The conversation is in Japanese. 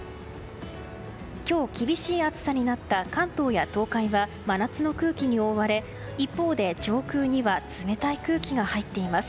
今日厳しい暑さになった関東や東海は真夏の空気に覆われ一方で上空には冷たい空気が入っています。